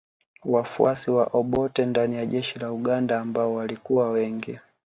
Wafuasi wa Obote ndani ya jeshi la Uganda ambao walikuwa wengi